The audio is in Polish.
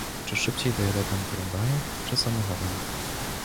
Czy szybciej dojadę tam tramwajem czy samochodem?